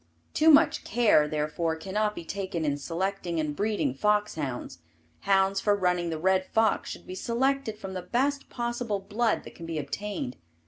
Too much care, therefore, cannot be taken in selecting and breeding fox hounds. Hounds for running the red fox should be selected from the best possible blood that can be obtained.